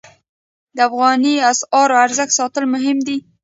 د افغانۍ اسعارو ارزښت ساتل مهم دي